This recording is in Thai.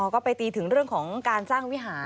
ก็ไปตีถึงเรื่องของการสร้างวิหาร